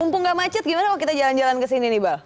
mumpung gak macet gimana kalau kita jalan jalan ke sini nih bal